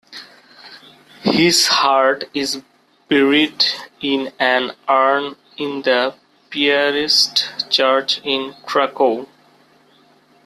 His heart is buried in an urn in the Piarist church in Cracow.